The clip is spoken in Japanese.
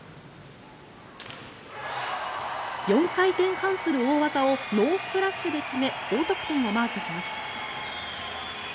４回転半する大技をノースプラッシュで決め高得点をマークします。